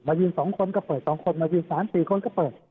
มายืนสองคนก็เปิดสองคนมายืนสามสี่คนก็เปิด